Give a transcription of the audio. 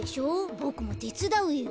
ボクもてつだうよ。